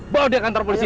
bawa dia ke kantor polisi